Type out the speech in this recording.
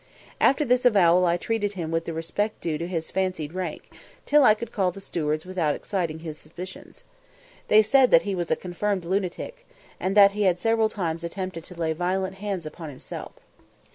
After this avowal I treated him with the respect due to his fancied rank, till I could call the stewards without exciting his suspicions. They said that he was a confirmed lunatic, and had several times attempted to lay violent hands upon himself.